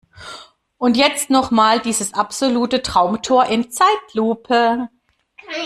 Und jetzt noch mal dieses absolute Traumtor in Zeitlupe!